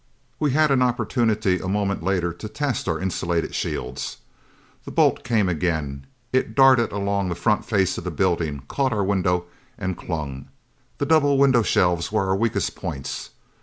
We had an opportunity a moment later to test our insulated shields. The bolt came again. It darted along the front face of the building, caught our window, and clung. The double window shelves were our weakest points.